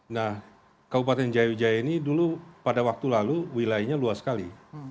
nah kabupaten jaya wijaya ini dulu pada waktu lalu wilayahnya luas sekali